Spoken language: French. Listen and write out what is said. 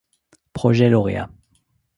Projet lauréat.